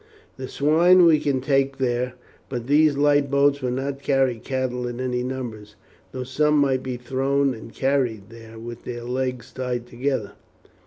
The swine we can take there, but these light boats would not carry cattle in any numbers, though some might be thrown and carried there, with their legs tied together.